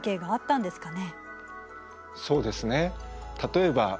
そうですね。